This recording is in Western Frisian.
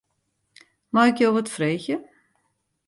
Mei ik jo wat freegje?